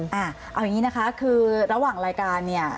เอาอย่างนี้นะคะคือระหว่างรายการเนี่ย